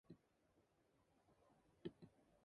All officers have access to a special skill called rampage.